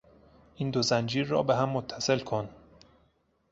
این دو زنجیر را بهم متصل کن!